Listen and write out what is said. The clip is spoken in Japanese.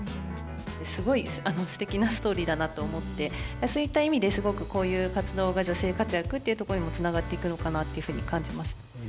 すごいすてきなストーリーだなと思ってそういった意味ですごくこういう活動が女性活躍っていうとこにもつながっていくのかなっていうふうに感じました。